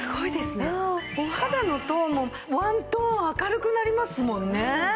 お肌のトーンもワントーン明るくなりますもんね。